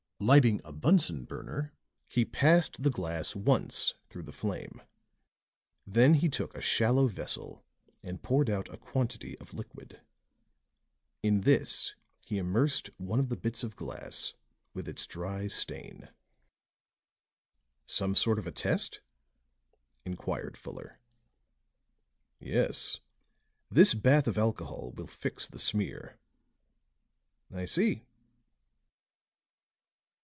Lighting a Bunsen burner he passed the glass once through the flame; then he took a shallow vessel and poured out a quantity of liquid; in this he immersed one of the bits of glass with its dry stain. "Some sort of a test?" inquired Fuller. "Yes. This bath of alcohol will fix the smear." "I see."